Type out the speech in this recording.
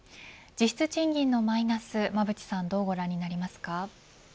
実質賃金のマイナス、馬渕さんどうご覧になりますか。